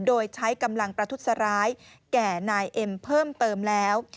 โดยใช้กำลังประทุษร้ายแก่นายเอ็มเพิ่มเติมแล้ว